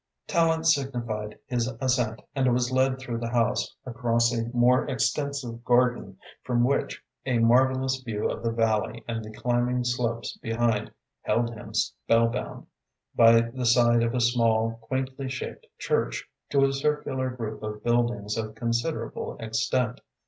Tallente signified his assent and was led through the house, across a more extensive garden, from which a marvellous view of the valley and the climbing slopes behind held him spellbound, by the side of a small, quaintly shaped church, to a circular group of buildings of considerable extent.